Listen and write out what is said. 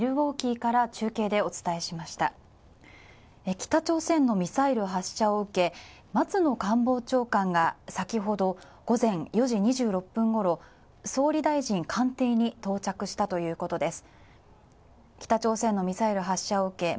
北朝鮮のミサイル発射を受け、松野官房長官が先ほど午前４時２６分ほど総理大臣官邸に到着したということです。